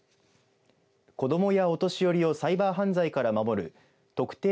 子どもやお年寄りをサイバー犯罪から守る特定